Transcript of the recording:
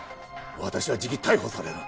私はじき逮捕される。